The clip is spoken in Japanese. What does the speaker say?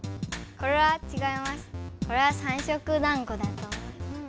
これは三色だんごだと思います。